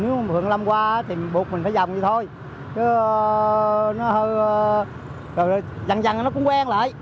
dòng thì thôi chẳng chẳng là nó cũng quen lại